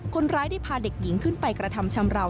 คนร้ายได้พาเด็กหญิงขึ้นไปกระทำชำราว